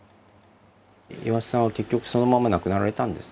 岩田さんは結局そのまま亡くなられたんですね。